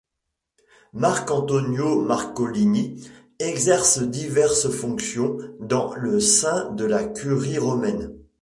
Marc'Antonio Marcolini exerce diverses fonctions dans le sein de la Curie romaine.